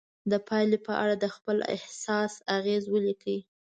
د پایلې په اړه د خپل احساس اغیز ولیکئ.